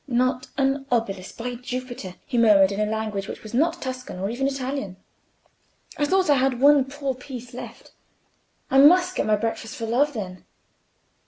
"Not an obolus, by Jupiter!" he murmured, in a language which was not Tuscan or even Italian. "I thought I had one poor piece left. I must get my breakfast for love, then!"